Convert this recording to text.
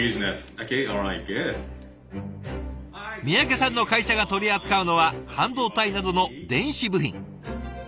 三宅さんの会社が取り扱うのは半導体などの電子部品。